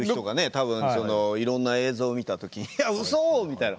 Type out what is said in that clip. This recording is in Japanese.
多分そのいろんな映像を見た時「うそ！」みたいな。